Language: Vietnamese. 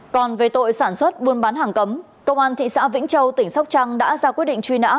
còn về tội sản xuất buôn bán hàng cấm công an thị xã vĩnh châu tỉnh sóc trăng đã ra quyết định truy nã